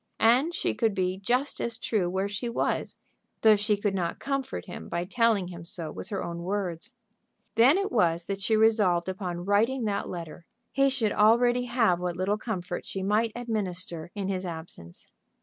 And she could be just as true where she was, though she could not comfort him by telling him so with her own words. Then it was that she resolved upon writing that letter. He should already have what little comfort she might administer in his absence.